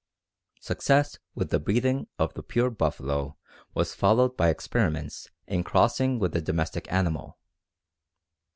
"Success with the breeding of the pure buffalo was followed by experiments in crossing with the domestic animal.